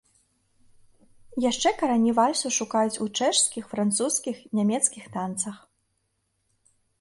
Яшчэ карані вальсу шукаюць у чэшскіх, французскіх, нямецкіх танцах.